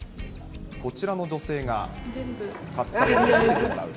こちらの女性が買ったものを見せてもらうと。